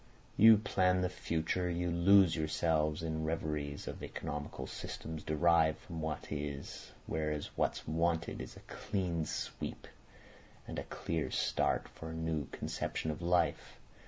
You plan the future, you lose yourselves in reveries of economical systems derived from what is; whereas what's wanted is a clean sweep and a clear start for a new conception of life.